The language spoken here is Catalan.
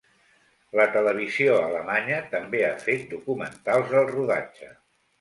La televisió alemanya també ha fet documentals del rodatge.